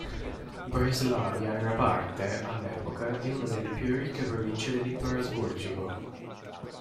Breslavia era parte, all'epoca, di una delle più ricche province dell'Impero Asburgico.